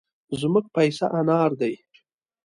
زموږ پيسه انار دي.